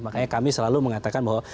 makanya kami selalu mengatakan bahwa